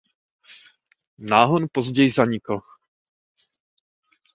Náhon později zanikl.